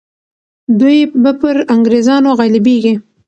دوی به پر انګریزانو غالبیږي.